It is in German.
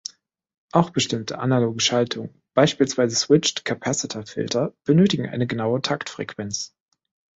Auch bestimmte analoge Schaltungen, beispielsweise Switched-Capacitor-Filter, benötigen eine genaue Taktfrequenz.